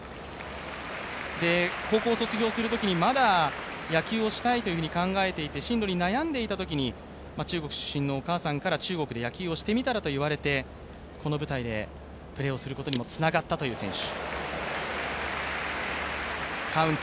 高校卒業するときにまだ野球をしたいと考えていて進路に悩んでいたときに中国出身のお母さんから中国で野球をしてみたらと言われてこの舞台でプレーをすることにもつながったという選手。